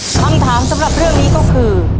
คำถามสำหรับเรื่องนี้ก็คือ